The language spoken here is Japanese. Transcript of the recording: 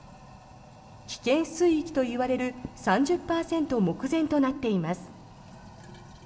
危険水域といわれる３０％目前となっています。